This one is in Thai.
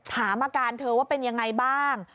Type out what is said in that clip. ถามอาการเธอว่าเป็นยังไงบ้าง